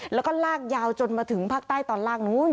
แล้วก็ลากยาวจนมาถึงภาคใต้ตอนล่างนู้น